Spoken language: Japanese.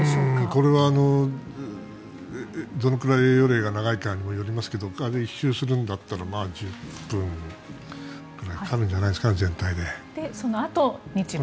これはどのくらい長いかによりますけど１周するんだったら１０分ぐらいかかるんじゃないですか全体で。